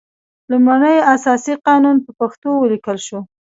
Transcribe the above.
لومړنی اساسي قانون په پښتو ولیکل شول.